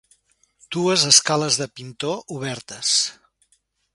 Dues escales de pintor, obertes.